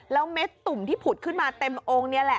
แล้วเม็ดตุ่มที่ผุดขึ้นมาเต็มองค์นี่แหละ